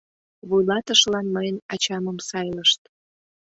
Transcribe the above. Вуйлатышылан мыйын ачамым сайлышт.